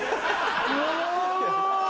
うわ！